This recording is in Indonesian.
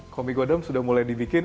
komi godam sudah mulai dibikin